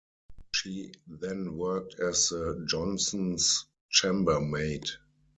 She then worked as the Johnsons' chambermaid.